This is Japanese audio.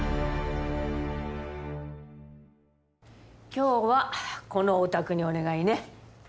今日はこのお宅にお願いね。